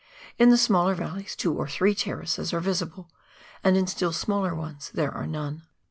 In the smaller valleys two and three terraces are visible, and in still smaller ones there are none.